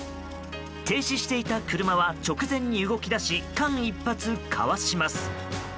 停止していた車は直前に動き出し間一髪かわします。